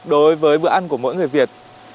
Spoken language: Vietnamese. đối với bữa ăn của mỗi người việt